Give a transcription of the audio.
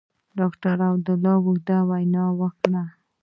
ډاکټر عبدالله اوږده وینا وکړه.